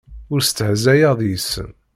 Ur stehzayeɣ deg-sen.